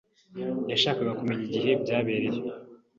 yashakaga kumenya igihe byabereye.